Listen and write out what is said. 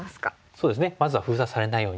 そうですねまずは封鎖されないように。